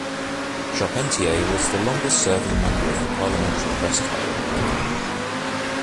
Charpentier was the longest-serving member of the Parliamentary Press Gallery.